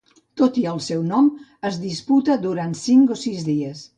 Tot i el seu nom es disputa durant cinc o sis dies.